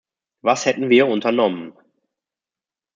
Was hätten wir unternommen?